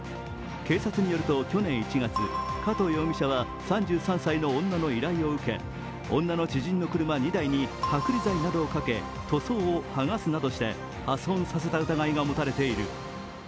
警察によると、去年１月、加藤容疑者は３３歳の女の依頼を受け、女の知人の車２台に剥離剤などをかけ塗装を剥がすなどして破損させた疑いが持たれている。